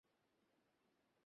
এ তো আমাকেই সমস্ত করতে হবে।